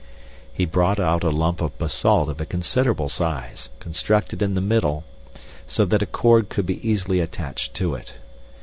He brought out a lump of basalt of a considerable size, constructed in the middle so that a cord could be easily attached to it.